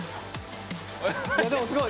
でもすごい。